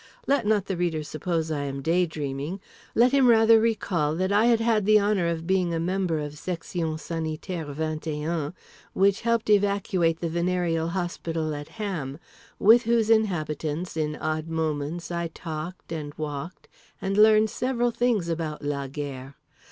Let not the reader suppose I am day dreaming: let him rather recall that I had had the honour of being a member of Section Sanitaire Vingt et Un, which helped evacuate the venereal hospital at Ham, with whose inhabitants (in odd moments) I talked and walked and learned several things about la guerre.